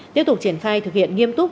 tiếp tục triển khai thực hiện nghiêm túc